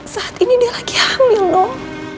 saat ini dia lagi hamil dong